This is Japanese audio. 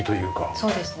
そうですね。